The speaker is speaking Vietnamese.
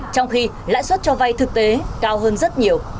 trong khi lãi suất cho vay thực tế cao hơn rất nhiều